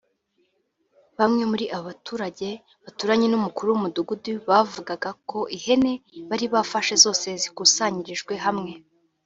Bamwe muri aba baturage baturanye n’umukuru w’umudugudu bavugaga ko ihene bari bafashe zose zakusanyirijwe hamwe